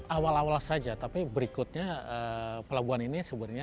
awal awal saja tapi berikutnya pelabuhan ini sebenarnya